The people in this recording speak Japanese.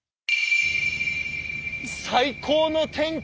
最高の天気！